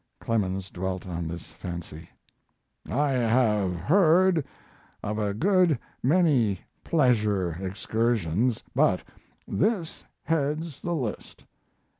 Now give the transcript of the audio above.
Clemens dwelt on this fancy: I have heard of a good many pleasure excursions, but this heads the list.